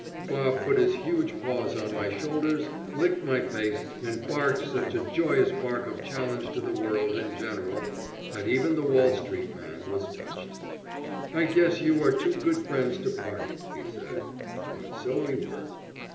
Bob put his huge paws on my shoulders, licked my face, and barked such a joyous bark of challenge to the world in general that even the Wall Street man was touched. "I guess you are too good friends to part," he said. And so we were.